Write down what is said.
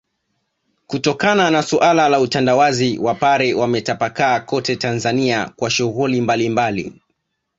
kutokana na suala la utandawazi Wapare wametapakaa kote Tanzania kwa shughuli mbalimbali